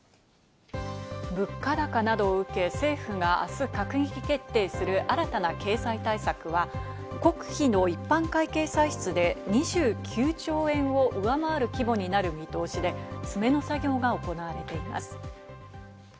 物価高などを受け、政府が明日、閣議決定する新たな経済対策は国費の一般会計歳出で２９兆円を上回る規模になる見通しで、詰めの作業が行われています。